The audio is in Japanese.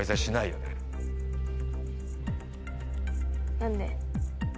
何で？